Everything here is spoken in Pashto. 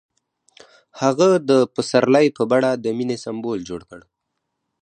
هغه د پسرلی په بڼه د مینې سمبول جوړ کړ.